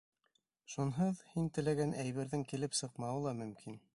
Шунһыҙ һин теләгән әйберҙең килеп сыҡмауы ла мөмкин.